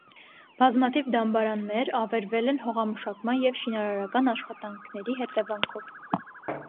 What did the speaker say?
Բազմաթիվ դամբարաններ ավերվել են հողամշակման և շինարարական աշխատանքների հետևանքով։